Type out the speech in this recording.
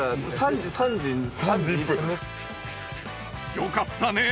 よかったね！